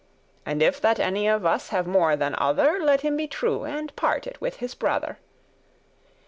And if that any of us have more than other, Let him be true, and part it with his brother."